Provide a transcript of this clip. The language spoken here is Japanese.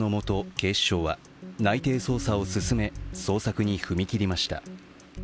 警視庁は内偵捜査を進め、捜索に踏み切りました。